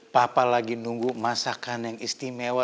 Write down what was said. papa lagi nunggu masakan yang istimewa